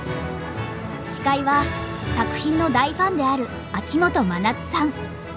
司会は作品の大ファンである秋元真夏さん。